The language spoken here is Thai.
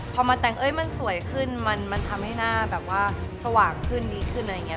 พอมาแต่งมันสวยขึ้นมันทำให้หน้าแบบว่าสว่างขึ้นดีขึ้นอะไรอย่างนี้